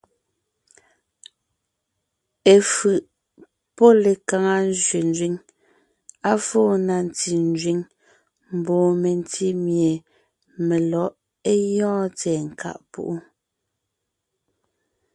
Efʉ̀ʼ pɔ́ lekaŋa zẅénzẅíŋ, à fó na ntí nzẅíŋ mbɔɔ mentí mie melɔ̌ʼ é gyɔ́ɔn tsɛ̀ɛ nkáʼ púʼu.